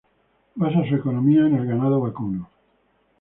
Basa su economía en el ganado vacuno.